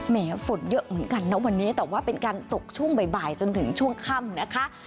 แหมฝนเยอะเหมือนกันนะวันนี้แต่ว่าเป็นการตกช่วงบ่ายจนถึงช่วงค่ำนะคะ